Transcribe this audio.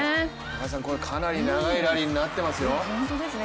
これ、かなり長いラリーになっていますよ。